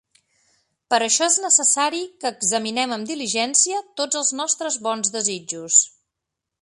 Per això és necessari que examinem amb diligència tots els nostres bons desitjos.